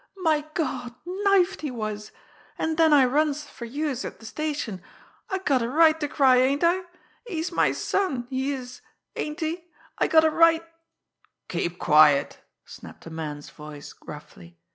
My Gawd knifed he was! An' den I runs fer youse at de station. I gotta right ter cry, ain't I! He's my son, he is ain't he! I gotta right " "Keep quiet!" snapped a man's voice gruffly.